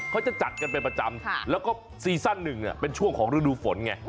เขาจะจัดกันเป็นประจำแล้วก็ซีซั่นหนึ่งเป็นช่วงของฤดูฝนไง